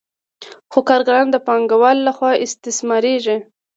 خو کارګران د پانګوال له خوا استثمارېږي